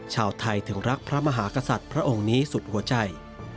ชาวไทยถึงรักพระมหากษัตริย์พระองค์นี้สุดหัวใจ